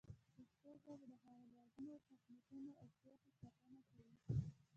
پښتو ژبه د هغو لرغونو حکمتونو او پوهې ساتنه کوي.